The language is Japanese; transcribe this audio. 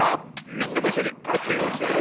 みんなもいっしょにあてようぜ。